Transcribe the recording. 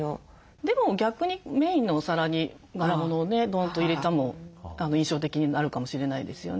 でも逆にメインのお皿に柄物をねドンと入れても印象的になるかもしれないですよね。